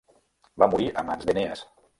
Va morir a mans d'Enees.